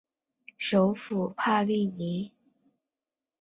首府帕利尼。